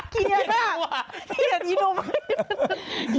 เกลียดมากเกลียดนี่ดูไว้